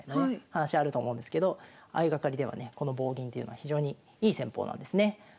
話あると思うんですけど相掛かりではねこの棒銀というのは非常にいい戦法なんですね。